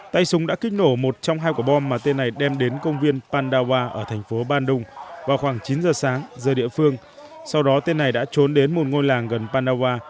tay súng đã kích nổ một trong hai quả bom mà tên này đem đến công viên pandawa ở thành phố bandung vào khoảng chín giờ sáng giờ địa phương sau đó tên này đã trốn đến một ngôi làng gần panawa